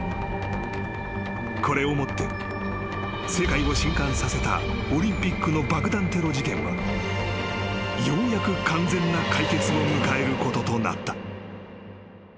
［これをもって世界を震撼させたオリンピックの爆弾テロ事件はようやく完全な解決を迎えることとなった］